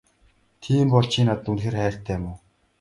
Тийм бол чи надад үнэхээр хайртай юм уу?